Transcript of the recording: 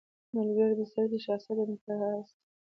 • ملګری د سړي د شخصیت انعکاس دی.